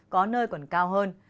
có nơi còn cao hơn